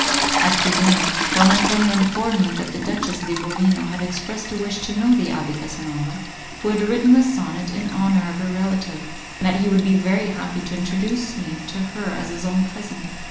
After dinner, Don Antonio informed me that the Duchess de Bovino had expressed a wish to know the Abbé Casanova who had written the sonnet in honour of her relative, and that he would be very happy to introduce me to her as his own cousin.